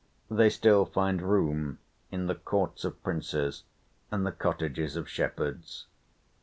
They still find room in the courts of princes, and the cottages of shepherds.